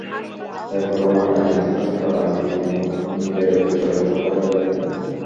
সাইফুর রহমান, এনায়েত হোসেন রাজীব, নূর খান মিলে রকিবুলের পড়ালেখার দায়িত্ব নেন।